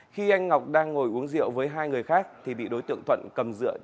khi anh ngọc đang ngồi uống rượu với hai người khác thì bị đối tượng thuận cầm dựa